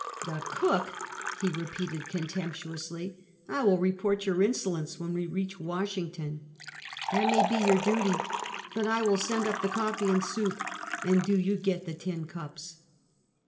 " The cook!" he repeated, contemptuously. " I will report your insolence when we reach Washington!" "That may be your duty; but I will send up the coffee and soup, and do you get the tin cups."